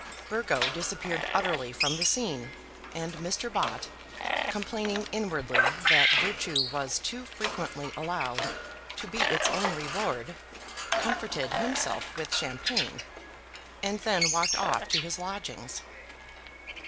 Burgo disappeared utterly from the scene, and Mr. Bott, complaining inwardly that virtue was too frequently allowed to be its own reward, comforted himself with champagne, and then walked off to his lodgings.